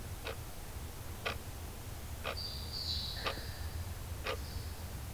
隆块拟银杏蟹为扇蟹科拟银杏蟹属的动物。